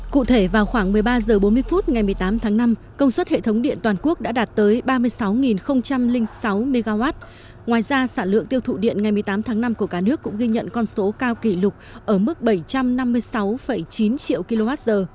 cụ thể vào khoảng một mươi ba h bốn mươi phút ngày một mươi tám tháng năm công suất hệ thống điện toàn quốc đã đạt tới ba mươi sáu sáu mw ngoài ra sản lượng tiêu thụ điện ngày một mươi tám tháng năm của cả nước cũng ghi nhận con số cao kỷ lục ở mức bảy trăm năm mươi sáu chín triệu kwh